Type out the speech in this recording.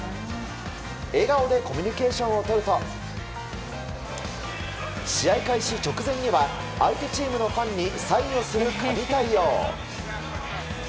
笑顔でコミュニケーションをとると試合開始直前には相手チームのファンにサインをする神対応。